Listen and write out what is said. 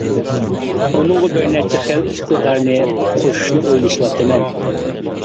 ئۇنىڭغا بىر نەچچە خىل ئىقتىدارنى قوشۇشنى ئويلىشىۋاتىمەن.